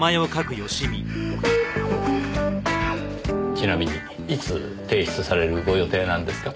ちなみにいつ提出されるご予定なんですか？